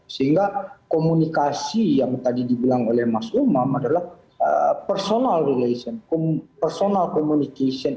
sehingga komunikasi yang tadi dibilang oleh mas umam adalah personal relation personal communication